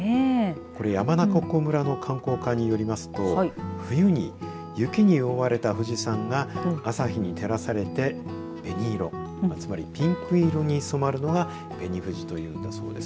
これ、山中湖村の観光課によりますと冬に雪に覆われた富士山が朝日に照らされて紅色つまりピンク色に染まるのが紅富士と言うんだそうです。